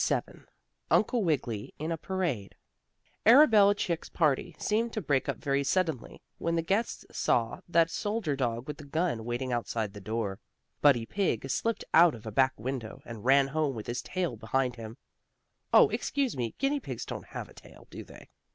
STORY VII UNCLE WIGGILY IN A PARADE Arabella Chick's party seemed to break up very suddenly when the guests saw that soldier dog with the gun waiting outside the door. Buddy Pigg slipped out of a back window, and ran home with his tail behind him. Oh, excuse me, guinea pigs don't have a tail, do they?